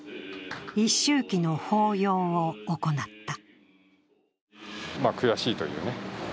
一周忌の法要を行った。